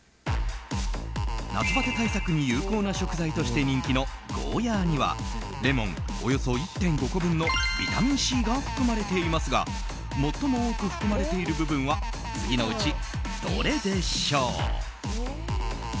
夏バテ対策に有効な食材として人気のゴーヤにはレモンおよそ１．５個分のビタミンＣが含まれていますが最も多く含まれている部分は次のうちどれでしょう？